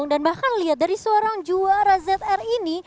dan bahkan lihat dari seorang juara zr ini